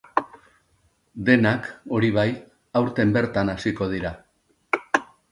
Denak, hori bai, aurten bertan hasiko dira.